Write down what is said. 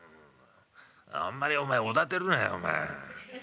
「あんまりおだてるなよお前ええ？